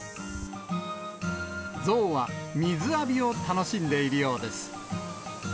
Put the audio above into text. ゾウは水浴びを楽しんでいるようです。